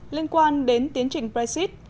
liên quan đến tiến trình brexit